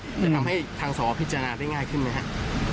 จะทำให้ทางสอพิจารณาได้ง่ายขึ้นไหมครับ